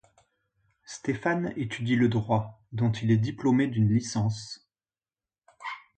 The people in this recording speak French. Stéphane étudie le droit, dont il est diplômé d'une licence.